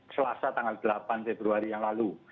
selasa tanggal delapan februari yang lalu